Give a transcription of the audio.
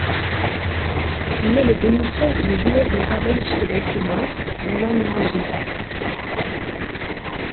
Il est le demi-frère du joueur des Ravens de Baltimore Dawan Landry.